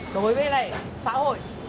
đối với lại xã hội